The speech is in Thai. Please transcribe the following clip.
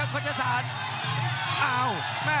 คมทุกลูกจริงครับโอ้โห